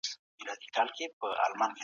ایا ملي بڼوال شین ممیز پروسس کوي؟